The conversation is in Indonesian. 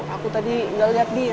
aku tadi gak liat dia